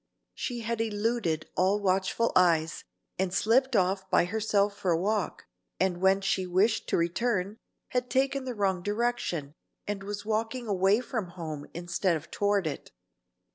She had eluded all watchful eyes, and slipped off by herself for a walk, and when she wished to return, had taken the wrong direction, and was walking away from home instead of toward it.